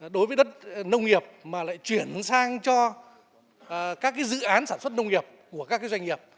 đối với đất nông nghiệp mà lại chuyển sang cho các dự án sản xuất nông nghiệp của các doanh nghiệp